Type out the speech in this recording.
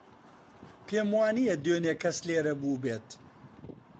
پێم وانییە دوێنێ کەس لێرە بووبێت.